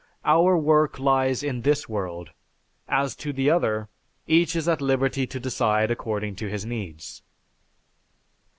Our work lies in this world. As to the other, each is at liberty to decide according to his needs."